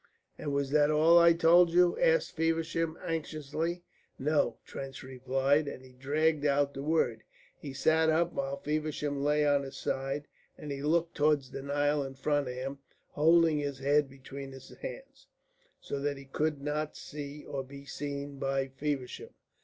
"And was that all I told you?" asked Feversham, anxiously. "No," Trench replied, and he dragged out the word. He sat up while Feversham lay on his side, and he looked towards the Nile in front of him, holding his head between his hands, so that he could not see or be seen by Feversham.